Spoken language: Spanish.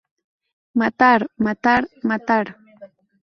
Matar, matar, matar.